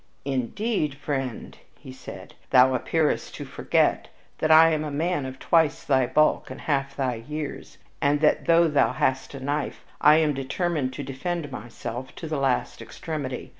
"Indeed, friend," he said, "thou appearest to forget that I am a man of twice thy bulk and half thy years, and that though thou hast a knife I am determined to defend myself to the last extremity.